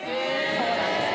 そうなんですよ。